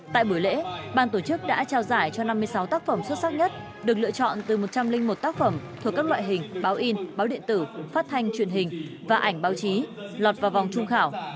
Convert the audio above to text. tại buổi lễ ban tổ chức đã trao giải cho năm mươi sáu tác phẩm xuất sắc nhất được lựa chọn từ một trăm linh một tác phẩm thuộc các loại hình báo in báo điện tử phát thanh truyền hình và ảnh báo chí lọt vào vòng trung khảo